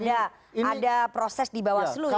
ada proses di bawah seluruh ya